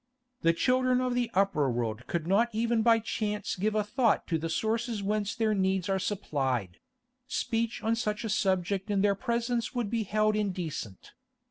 The children of the upper world could not even by chance give a thought to the sources whence their needs are supplied; speech on such a subject in their presence would be held indecent.